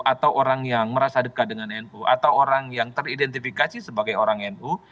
atau orang yang merasa dekat dengan nu atau orang yang teridentifikasi sebagai orang nu